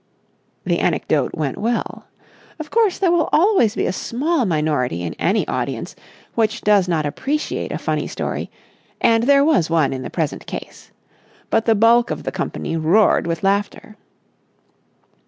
The anecdote went well. Of course there will always be a small minority in any audience which does not appreciate a funny story, and there was one in the present case. But the bulk of the company roared with laughter.